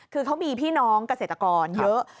คือเขามีพี่น้องเกษตรกรเยอะ